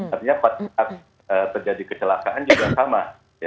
artinya pada saat terjadi kecelakaan juga sama